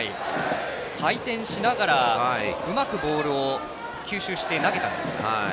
回転しながらうまくボールを吸収して投げたんですが。